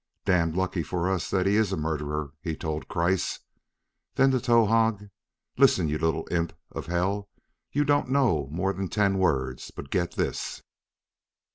"Damned lucky for us that he is a murderer!" he told Kreiss. Then to Towahg: "Listen, you little imp of hell! You don't know more than ten words, but get this!"